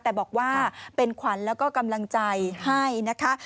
แต่บอกว่าเป็นขวัญแล้วก็กำลังใจให้นะคะ